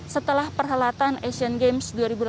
setelah perhelatan asian games dua ribu delapan belas